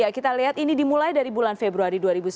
kita lihat ini dimulai dari bulan februari dua ribu sembilan belas